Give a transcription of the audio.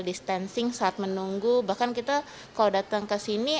distancing saat menunggu bahkan kita kalau datang ke sini